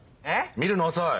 見るの遅い！